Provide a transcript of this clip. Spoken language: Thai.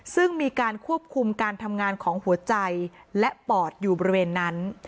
ซึ่งมีการควบคุมการทำงานของหัวใจและปอดอยู่บริเวณนั้น